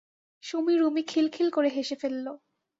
সুমী রুমী খিলখিল করে হেসে ফেলল।